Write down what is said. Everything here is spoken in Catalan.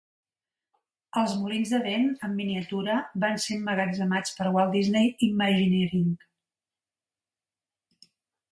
Els molins de vent en miniatura van ser emmagatzemats per Walt Disney Imagineering.